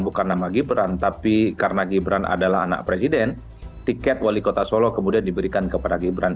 bukan nama gibran tapi karena gibran adalah anak presiden tiket wali kota solo kemudian diberikan kepada gibran